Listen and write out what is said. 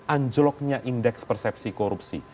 anjloknya indeks persepsi korupsi